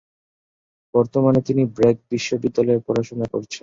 বর্তমানে তিনি ব্র্যাক বিশ্ববিদ্যালয়ে পড়াশোনা করছেন।